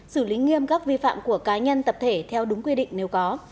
xử lý nghiêm các vi phạm của cá nhân tập thể theo đúng quy định nếu có